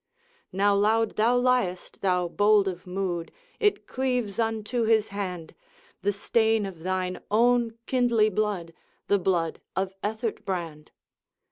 'Now loud thou liest, thou bold of mood! It cleaves unto his hand, The stain of thine own kindly blood, The blood of Ethert Brand.'